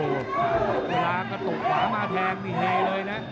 เวลาก็ตกขวามาแทงนี่เฮเลยนะ